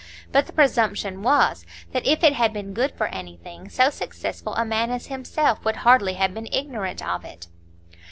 But the presumption was, that if it had been good for anything, so successful a man as himself would hardly have been ignorant of it.